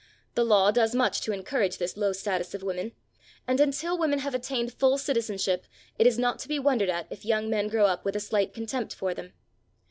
The law does much to encourage this low status of women, and until women have attained full citizenship, it is not to be wondered at if young men grow up with a slight contempt for them.